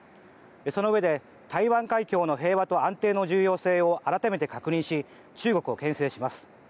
そのうえで台湾海峡の平和と安定の重要性を改めて確認し中国をけん制します。